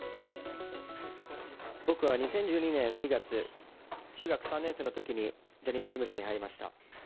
僕は２０１２年２月、中学３年生のときにジャニーズ事務所に入りました。